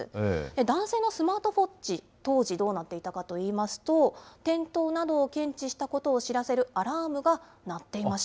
男性のスマートウォッチ、当時どうなっていたかといいますと、転倒などを検知したことを知らせるアラームが鳴っていました。